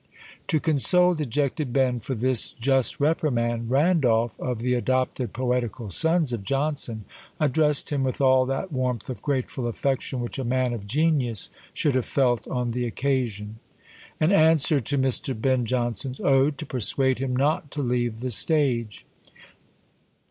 To console dejected Ben for this just reprimand, Randolph, of the adopted poetical sons of Jonson, addressed him with all that warmth of grateful affection which a man of genius should have felt on the occasion. AN ANSWER TO MR. BEN JONSON'S ODE, TO PERSUADE HIM NOT TO LEAVE THE STAGE.